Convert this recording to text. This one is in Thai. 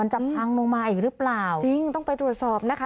จะพังลงมาอีกหรือเปล่าจริงต้องไปตรวจสอบนะคะ